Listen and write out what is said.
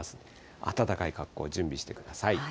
暖かい格好、準備してください。